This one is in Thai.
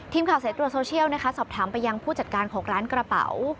ทีมข่าวสายตรวจโซเชียลนะคะสอบถามไปยังผู้จัดการของร้านกระเป๋า